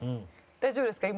大丈夫ですか？